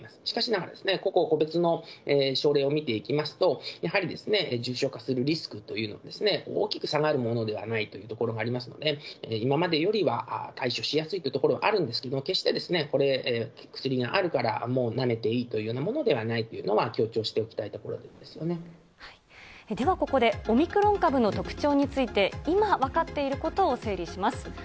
しかしながら、個々、個別の症例を見ていきますと、やはり重症化するリスクというのは大きく差が下がるものではないというところがあるので、今までよりは対処しやすいというところはあるんですけど、決して薬があるから、なめていいというようなものではないというのは強調しておきたいではここで、オミクロン株の特徴について、今分かっていることを整理します。